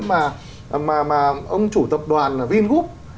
mà ông chủ tập đoàn vin group